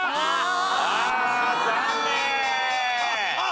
あ残念。